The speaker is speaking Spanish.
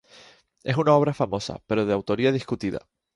Es una obra famosa, pero de autoría discutida.